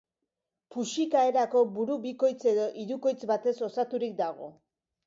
Puxika erako buru bikoitz edo hirukoitz batez osaturik dago.